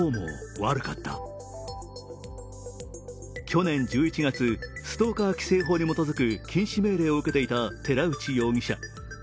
去年１１月、ストーカー規制法に基づく禁止命令を受けていた寺内容疑者。